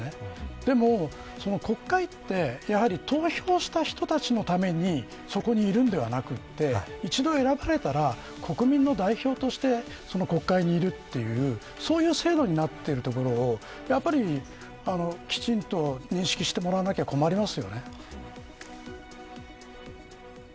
でも国会って投票した人たちのためにそこにいるのではなくて一度選ばれたら国民の代表として国会にいるという制度になっているところをきちんと認識してもらわないと困りますよね。